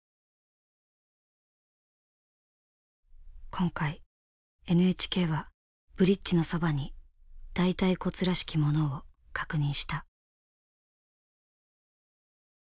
今回ＮＨＫはブリッジのそばに大腿骨らしきものを確認した。